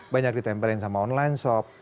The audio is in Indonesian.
banyak ditempelin sama online shop